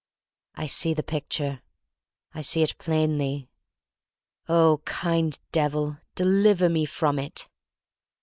I see the picture. I see it plainly. Oh, kind Devil, deliver me from it!